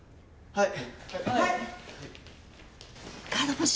はい。